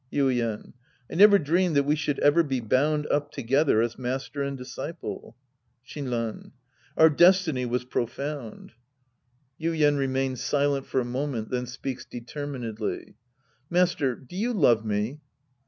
Yuien. I never dreamed that we should ever be bound up together as master and disciple. Shinran. Our destiny was profound. Sc. II The Priest and His Disciples 123 Yuien {remains silent for a moment, then speaks determinedly). Master, do you love me